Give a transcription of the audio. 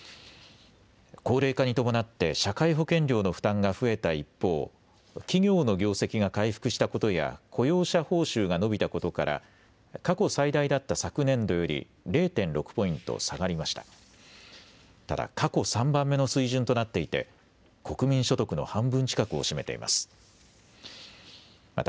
高齢化に伴って社会保険料の負担が増えた一方、企業の業績が回復したことや雇用者報酬が伸びたことから過去最大だった昨年度より０．６ポイント下がりました。